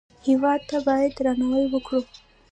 هېواد ته باید درناوی وکړو